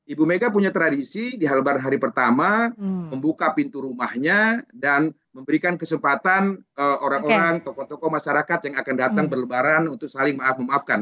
ibu mega punya tradisi di halbar hari pertama membuka pintu rumahnya dan memberikan kesempatan orang orang tokoh tokoh masyarakat yang akan datang berlebaran untuk saling maaf memaafkan